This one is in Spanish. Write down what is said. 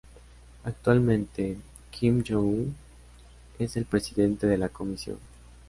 Actualmente, Kim Jong-un es el Presidente de la Comisión.